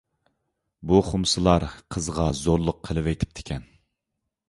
بۇ خۇمسىلار قىزغا زورلۇق قىلىۋېتىپتىكەن.